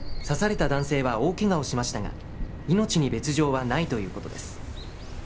刺された男性は大けがをしましたが、命に別状はないということです。